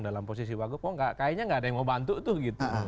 dalam posisi wagub kok kayaknya nggak ada yang mau bantu tuh gitu